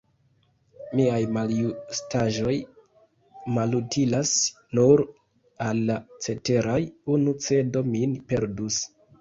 Miaj maljustaĵoj malutilas nur al la ceteraj; unu cedo min perdus.